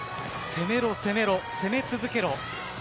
攻めろ、攻めろ攻め続けろ。